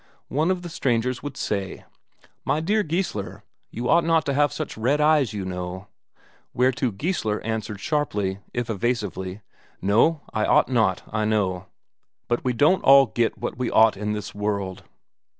One of the strangers would say: "My dear Geissler, you ought not to have such red eyes, you know." Whereto Geissler answered sharply, if evasively: "No, I ought not, I know. But we don't all get what we ought to in this world!"